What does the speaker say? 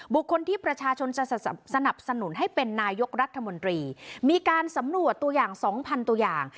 บุคคลที่ประชาชนจะสนับสนุนให้เป็นนายกรัฐมนตรีมีการสำรวจตัวอย่างสองพันตัวอย่าง